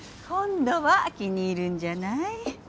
今度は気に入るんじゃない？